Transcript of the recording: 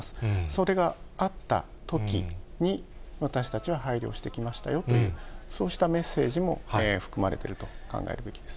それがあったときに、私たちは配慮してきましたよという、そうしたメッセージも含まれていると考えるべきです。